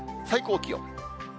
最高気温。